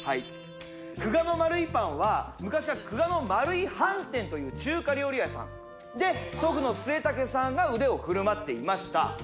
陸ノマル井パンは昔は陸ノマル井飯店という中華料理屋さんで祖父の末武さんが腕を振るっていました